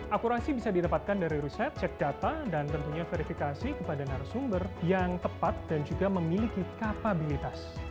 akurasi bisa didapatkan dari riset cek data dan tentunya verifikasi kepada narasumber yang tepat dan juga memiliki kapabilitas